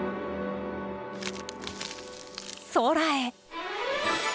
空へ。